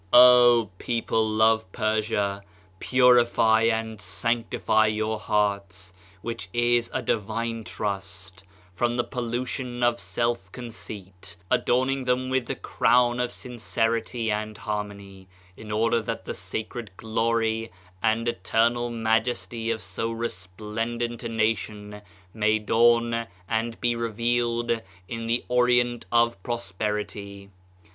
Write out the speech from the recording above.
O people of Persia! Purify and sanctify your hearts, which is a divine trust, from the pollu tion of self conceit, adorning them with the crown of sincerity and harmony, in order that the sacred glory and eternal majesty of so resplendent a na tion may dawn and be revealed in the Orient of ■Prosperity.